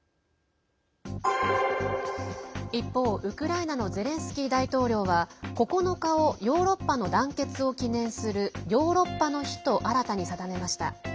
一方、ウクライナのゼレンスキー大統領は、９日をヨーロッパの団結を記念するヨーロッパの日と新たに定めました。